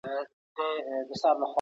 طبيعي علوم د کائناتو اسرار څرګندوي.